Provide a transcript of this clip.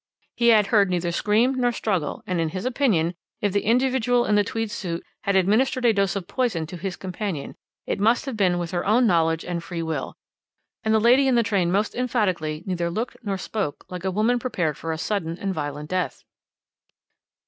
He had heard neither scream nor struggle, and in his opinion, if the individual in the tweed suit had administered a dose of poison to his companion, it must have been with her own knowledge and free will; and the lady in the train most emphatically neither looked nor spoke like a woman prepared for a sudden and violent death.